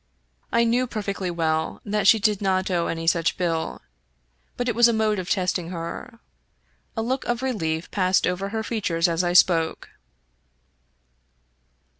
" I knew perfectly well that she did not owe any such bill, but it was a mode of testing her. A look of relief passed over her features as I spoke.